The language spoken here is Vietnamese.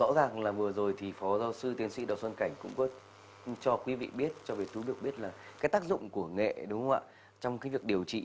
rõ ràng là vừa rồi thì phó giáo sư tiến sĩ đào xuân cảnh cũng cho quý vị biết cho quý vị biết là cái tác dụng của nghệ đúng không ạ trong cái việc điều trị